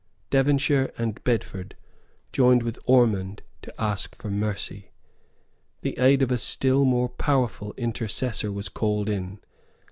Devonshire and Bedford joined with Ormond to ask for mercy. The aid of a still more powerful intercessor was called in.